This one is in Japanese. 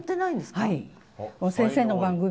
はい。